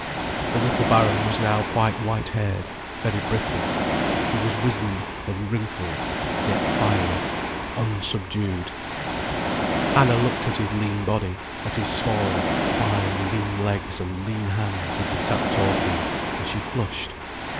The little baron was now quite white haired, very brittle. He was wizened and wrinkled, yet fiery, unsubdued. Anna looked at his lean body, at his small, fine lean legs and lean hands as he sat talking, and she flushed.